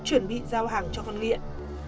chuẩn bị giao hàng cho con nghiện